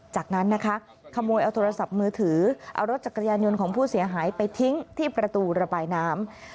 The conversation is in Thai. จากนั้นนะคะขโมยเอาโทรศัพท์มือถือเอารถจักรยานยนต์ของผู้เสียหายไปทิ้งที่ประตูระบายน้ำ